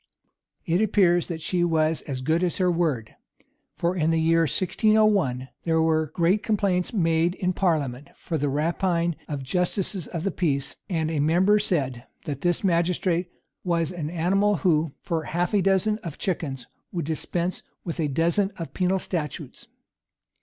[*] It appears that she was as good as her word. For in the year 1601, there were great complaints made in parliament of the rapine of justices of peace; and a member said, that this magistrate was an animal who, for half a dozen of chickens, would dispense with a dozen of penal statutes.